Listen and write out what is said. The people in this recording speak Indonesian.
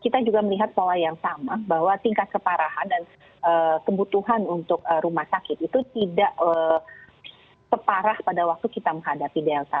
kita juga melihat pola yang sama bahwa tingkat keparahan dan kebutuhan untuk rumah sakit itu tidak separah pada waktu kita menghadapi delta